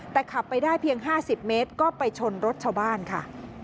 แต่ขับไปได้เพียง๕๐เมตรก็ไปชนรถชาวบ้านค่ะ